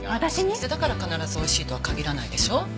「老舗だから必ずおいしいとは限らないでしょ？」